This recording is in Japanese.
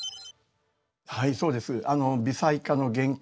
はいそうです。